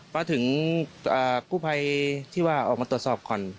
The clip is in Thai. มาถึงกู้ภัยที่ว่าออกมาตรวจสอบก่อน